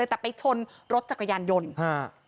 ได้ไปชนรถจักรยานยนต์